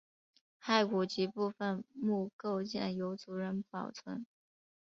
骸骨及部分墓构件由族人保存。